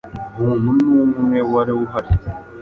muntu n’umwe wari uhari.